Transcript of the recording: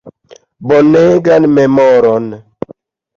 Bonegan memoron.